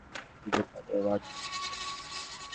আয়ার ব্যাপারটা নিয়ে ট্যাবলয়েডের রিপোর্টাররা মাঠ গরম করে ফেলছে!